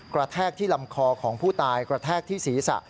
แทกที่ลำคอของผู้ตายกระแทกที่ศีรษะ